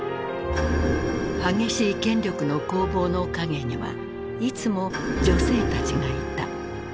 激しい権力の攻防の陰にはいつも女性たちがいた。